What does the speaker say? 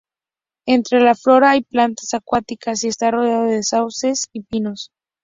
Entre la flora, hay plantas acuáticas, y está rodeado de sauces y pinos.